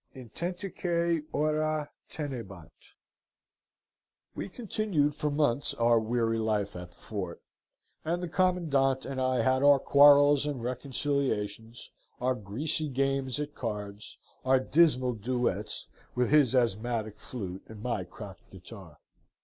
Intentique Ora tenebant "We continued for months our weary life at the fort, and the commandant and I had our quarrels and reconciliations, our greasy games at cards, our dismal duets with his asthmatic flute and my cracked guitar.